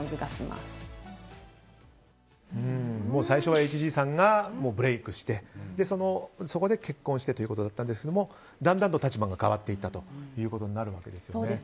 最初はＨＧさんがブレークしてそこで結婚してということだったんですがだんだんと立場が変わっていったということになるんですね。